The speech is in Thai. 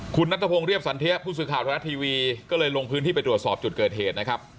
คุณนัทพงศ์เรียบสันเทียผู้สื่อข่าวธนรัฐทีวีก็เลยลงพื้นที่ไปตรวจสอบจุดเกิดเหตุนะครับ